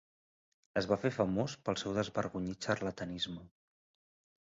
Es va fer famós pel seu desvergonyit xarlatanisme.